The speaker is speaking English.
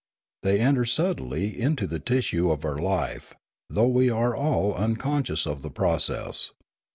They enter subtly into the tissue of our life, though we are all unconscious of the process.